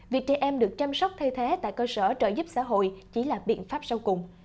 việc trẻ em được chăm sóc thay thế tại cơ sở trợ giúp xã hội chỉ là biện pháp sau cùng